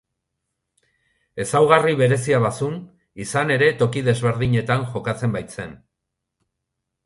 Ezaugarri berezia bazuen, izan ere toki desberdinetan jokatzen baitzen.